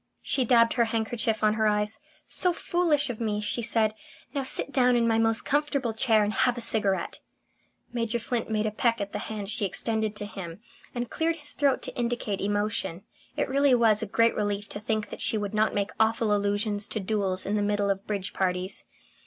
She dabbed her handkerchief on her eyes. "So foolish of me!" she said. "Now sit down in my most comfortable chair and have a cigarette." Major Flint made a peck at the hand she extended to him, and cleared his throat to indicate emotion. It really was a great relief to think that she would not make awful allusions to duels in the middle of bridge parties.